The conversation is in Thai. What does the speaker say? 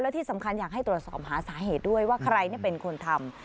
และที่สำคัญอยากให้ตรวจสอบหาสาเหตุด้วยว่าใครเป็นคนทำ